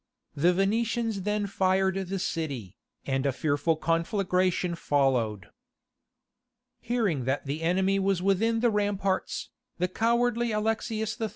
The Venetians then fired the city, and a fearful conflagration followed. Hearing that the enemy was within the ramparts, the cowardly Alexius III.